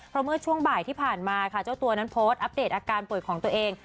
เพราะเมื่อช่วงบ่ายที่ผ่านมาค่ะเจ้าตัวนั้นโพสต์อัปเดตอาการป่วยของตัวเอง